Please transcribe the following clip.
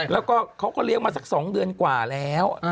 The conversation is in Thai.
แล้วก็เขาก็เลี้ยงมาสัก๒เดือนกว่าแล้ว